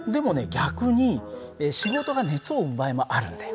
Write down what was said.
逆に仕事が熱を生む場合もあるんだよ。